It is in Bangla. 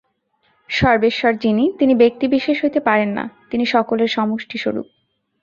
সর্বেশ্বর যিনি, তিনি ব্যক্তিবিশেষ হইতে পারেন না, তিনি সকলের সমষ্টিস্বরূপ।